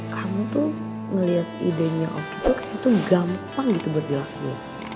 kamu tuh ngeliat idenya oki tuh kayaknya tuh gampang gitu berdiri diri